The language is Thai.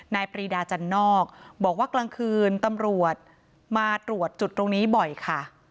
ปรีดาจันนอกบอกว่ากลางคืนตำรวจมาตรวจจุดตรงนี้บ่อยค่ะ